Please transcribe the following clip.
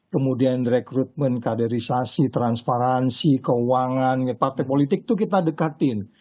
kemudian rekrutmen kaderisasi transparansi keuangan partai politik itu kita dekatin